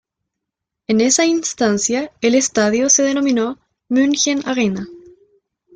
En esa instancia, el estadio se denominó "München Arena".